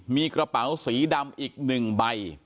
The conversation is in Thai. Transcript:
มีกระเป๋าสีดำอีก๑ใบ